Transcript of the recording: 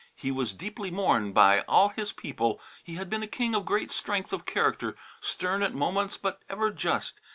He was deeply mourned by all his people. He had been a king of great strength of character, stern at moments, but ever just.